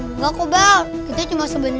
enggak ko bell kita cuma sebenernya